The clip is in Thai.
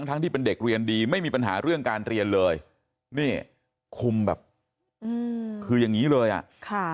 ทั้งที่เป็นเด็กเรียนดีไม่มีปัญหาเรื่องการเรียนเลยนี่คุมแบบคืออย่างนี้เลยอ่ะค่ะ